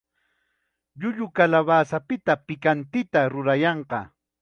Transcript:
Llullu kalawasapita pikantita rurayanqa.